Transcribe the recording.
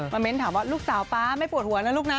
เน้นถามว่าลูกสาวป๊าไม่ปวดหัวนะลูกนะ